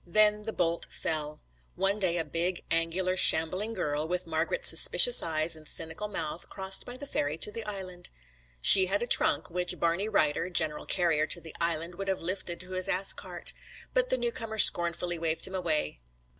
Then the bolt fell. One day a big, angular, shambling girl, with Margret's suspicious eyes and cynical mouth, crossed by the ferry to the Island. She had a trunk, which Barney Ryder, general carrier to the Island, would have lifted to his ass cart, but the new comer scornfully waved him away.